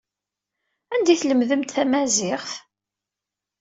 Anda ay tlemdemt tamaziɣt?